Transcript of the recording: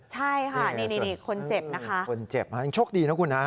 ใช่ค่ะนี่คนเจ็บนะคะคนเจ็บยังโชคดีนะคุณฮะ